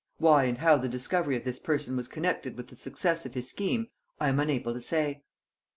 Why and how the discovery of this person was connected with the success of his scheme, I am unable to say."